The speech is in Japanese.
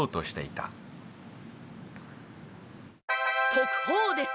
「特報です。